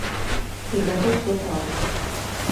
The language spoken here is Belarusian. І гэта ўсё праўда.